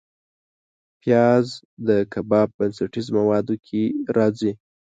پیاز د کباب بنسټیز موادو کې راځي